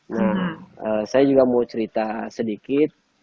nah saya juga mau cerita sedikit